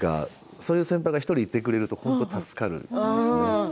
そういう先輩が１人いてくれると本当に助かります。